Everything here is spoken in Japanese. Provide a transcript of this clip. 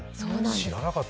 知らなかった。